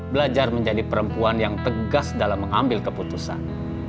belajar menjadi perempuan yang tegas dalam mengambil keputusan